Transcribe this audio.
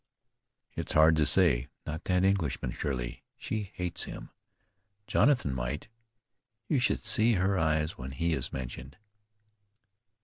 "It's hard to say. Not that Englishman, surely. She hates him. Jonathan might. You should see her eyes when he is mentioned."